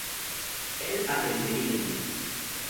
El aprenderíalles.